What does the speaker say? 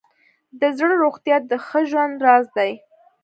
د زړه روغتیا د ښه ژوند راز دی.